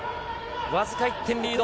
僅か１点リード。